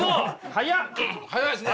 早いっすね。